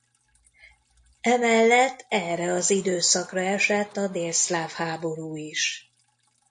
Emellett erre az időszakra esett a délszláv háború is.